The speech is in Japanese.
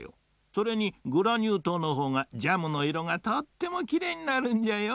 それにグラニューとうのほうがジャムの色がとってもきれいになるんじゃよ。